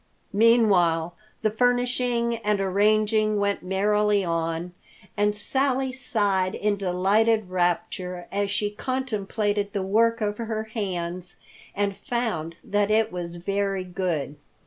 Meanwhile the furnishing and arranging went merrily on, and Sally sighed in delighted rapture as she contemplated the work of her hands and found that it was very good.